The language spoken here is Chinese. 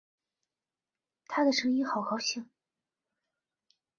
她的声音好高兴